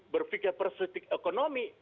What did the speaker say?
berpikir perspektif ekonomi